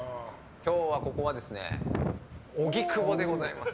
今日はここは、荻窪でございます。